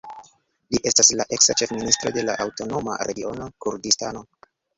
Li estas la eksa ĉefministro de la Aŭtonoma Regiono Kurdistano.